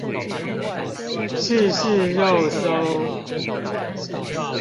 試試肉搜